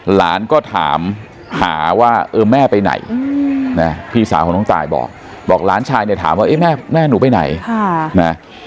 หลานก็ถามหาว่าเออแม่ไปไหนนะพี่สาวของน้องตายบอกบอกหลานชายเนี่ยถามว่าเอ๊ะแม่หนูไปไหนนะ